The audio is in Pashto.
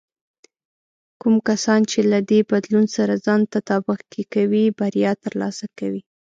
کوم کسان چې له دې بدلون سره ځان تطابق کې کوي، بریا ترلاسه کوي.